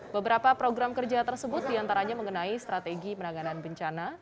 beberapa program kerja tersebut diantaranya mengenai strategi penanganan bencana